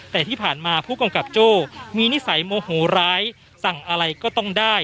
แต่ที่ผ่านมาผู้กำกับโจ้มีนิสัยโมโหร้ายสั่งอะไรก็ต้องได้